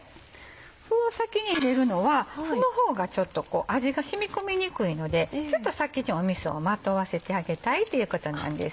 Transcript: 麩を先に入れるのは麩の方が味が染み込みにくいのでちょっと先にみそをまとわせてあげたいっていうことなんです。